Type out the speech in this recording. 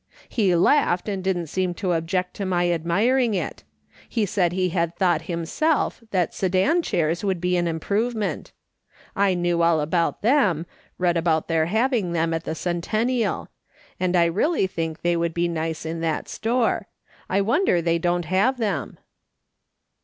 He laughed, and didn't seem to object to my admiring it. He said he had thought himself that Sedan chairs would be an improvement. I knew all about them — read about their having them at the Centennial ; and I really think they would be nice in that store ; I wonder they don't have them."